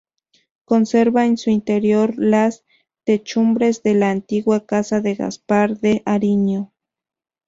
Conserva en su interior las Techumbres de la antigua casa de Gaspar de Ariño.